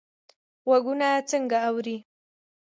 غوږونه څنګه اوري؟